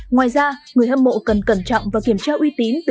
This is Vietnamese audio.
ngoài ra người hâm mộ cần cẩn trọng và kiểm tra uy tín